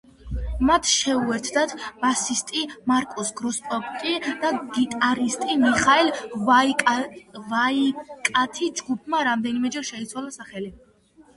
მათ შეუერთდათ ბასისტი მარკუს გროსკოპფი და გიტარისტი მიხაელ ვაიკათი, ჯგუფმა რამდენიმეჯერ შეიცვალა სახელი.